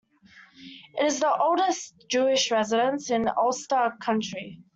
It is the oldest Jewish residence in Ulster County.